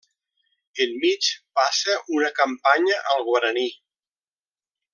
Enmig, passa una campanya al Guaraní.